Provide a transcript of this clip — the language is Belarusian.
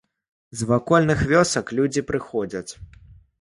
З вакольных вёсак людзі прыходзяць.